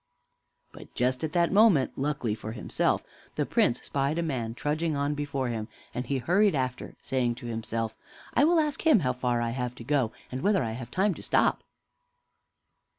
But just at that moment, luckily for himself, the Prince spied a man trudging on before him, and he hurried after, saying to himself, "I will ask him how far I have to go, and whether I have time to stop."